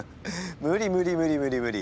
無理無理無理無理無理。